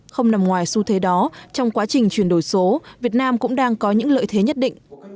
không nằm ngoài xu thế đó trong quá trình chuyển đổi số việt nam cũng đang có những lợi thế nhất định